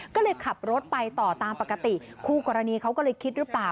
ก็เลยขับรถไปต่อตามปกติคู่กรณีเขาก็เลยคิดหรือเปล่า